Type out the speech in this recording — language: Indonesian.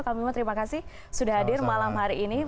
kang bima terima kasih sudah hadir malam hari ini